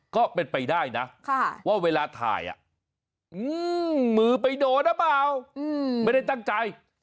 ก็เป็นไปได้นะว่าเวลาถ่ายมือไปโดนหรือเปล่าไม่ได้ตั้งใจ